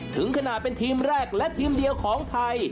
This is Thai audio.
ถึงขนาดเป็นทีมแรกและทีมเดียวของไทย